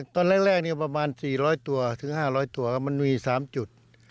ตอนแรกประมาณ๔๐๐ตัวถึง๕๐๐ตัวมันมี๓จุด